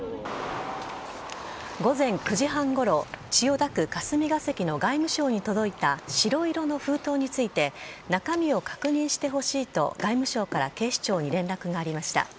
午前９時半ごろ千代田区霞が関の外務省に届いた白色の封筒について中身を確認してほしいと外務省から警視庁に連絡がありました。